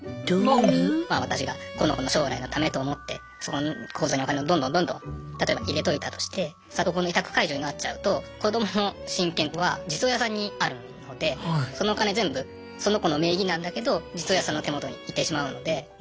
私がこの子の将来のためと思ってそこの口座にお金をどんどんどんどん例えば入れといたとして里子の委託解除になっちゃうと子どもの親権は実親さんにあるのでそのお金全部その子の名義なんだけど実親さんの手元に行ってしまうので。